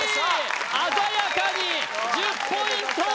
鮮やかに１０ポイント！